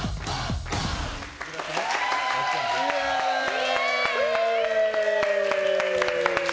イエーイ！